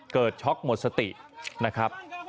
ช็อกหมดสตินะครับ